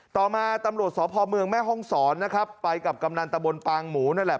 ต่อมาตำรวจสพเมืองแม่ห้องศรนะครับไปกับกำนันตะบนปางหมูนั่นแหละ